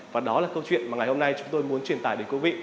và đó là câu chuyện mà ngày hôm nay chúng tôi muốn truyền tải đến quý vị